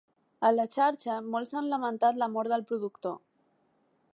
A la xarxa, molts han lamentat la mort del productor.